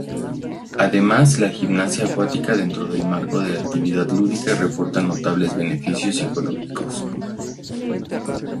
Además la gimnasia acuática dentro del marco de actividad lúdica reportan notables beneficio psicológicos.